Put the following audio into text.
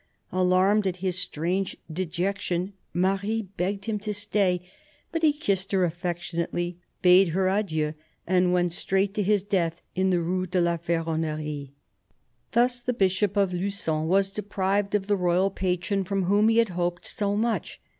Alarmed at his strange dejection, Marie begged him to stay ; but he kissed her affectionately, bade her adieu, and went straight to his death in the Rue de la Ferronnerie. Thus the Bishop of Lugon was deprived of the royal patron from whom he had hoped so much.